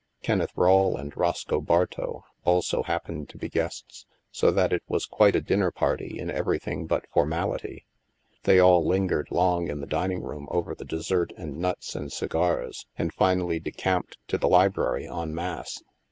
Kenneth Rawle and Roscoe Bartow also happened to be guests, so that it was quite a dinner party in everything but formality. They all lingered long in the dining room over the dessert and nuts and cigars, and finally decamped to the library en masse.